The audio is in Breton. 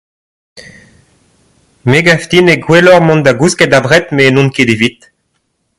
Me gav din eo gwelloc'h mont da gousket abred met n'on ket evit.